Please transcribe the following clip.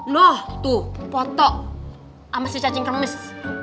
loh tuh poto sama si cacing kemis